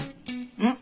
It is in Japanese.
うん。